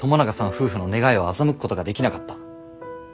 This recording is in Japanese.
夫婦の願いを欺くことができなかった。